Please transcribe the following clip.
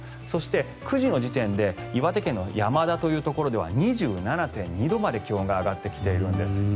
そして、９時の時点で岩手県の山田というところでは２７．２度まで気温が上がってきているんです。